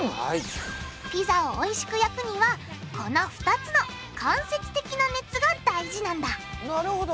ピザをおいしく焼くにはこの２つの間接的な熱が大事なんだなるほど。